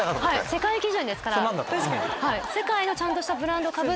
世界基準ですから。